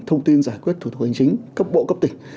thông tin giải quyết thủ tục hành chính cấp bộ cấp tỉnh